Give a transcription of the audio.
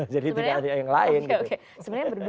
jadi tidak ada yang lain gitu